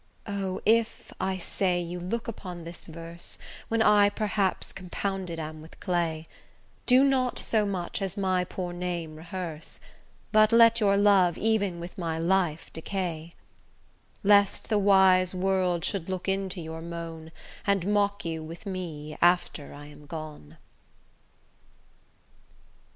O if, I say, you look upon this verse, When I perhaps compounded am with clay, Do not so much as my poor name rehearse; But let your love even with my life decay; Lest the wise world should look into your moan, And mock you with me after I am gone.